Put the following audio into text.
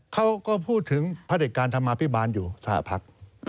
เขาก็พูดถึงผลิตการธรรมาภิบาลอยู่สหภัค